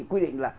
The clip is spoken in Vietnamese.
quy định là